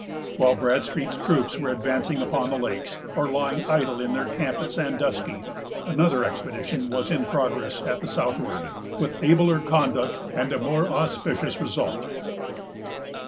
While Bradstreet's troops were advancing upon the lakes, or lying idle in their camp at Sandusky, another expedition was in progress at the southward, with abler conduct and a more auspicious result.